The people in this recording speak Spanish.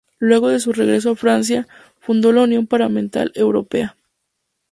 Luego de su regreso a Francia, fundó la Unión Parlamentaria Europea.